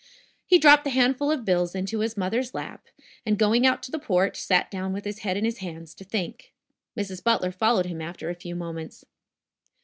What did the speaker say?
He dropped the handful of bills into his mother's lap, and, going out to the porch, sat down with his head in his hands, to think. Mrs. Butler followed him after a few moments.